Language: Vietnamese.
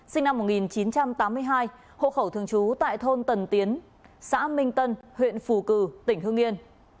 sinh năm một nghìn chín trăm tám mươi hai hộ khẩu thường trú tại thôn tần tiến xã minh tân huyện phù cử tỉnh hưng yên